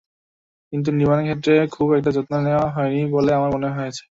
কিন্তু নির্মাণের ক্ষেত্রে খুব একটা যত্ন নেওয়া হয়নি বলে আমার মনে হয়েছে।